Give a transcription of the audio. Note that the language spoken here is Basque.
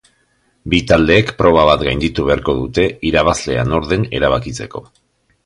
Bi taldeek proba bat gainditu beharko dute irabazlea nor den erabakitzeko.